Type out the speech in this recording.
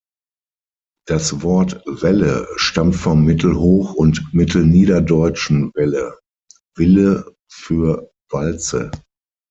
Das Wort "Welle" stammt vom mittelhoch- und mittelniederdeutschen "welle", "wille" für ""Walze"".